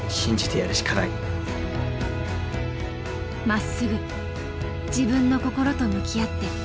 まっすぐ自分の心と向き合って。